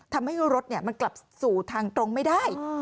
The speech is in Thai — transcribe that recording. ทำให้รถมันกลับสู่ทางตรงไม่ได้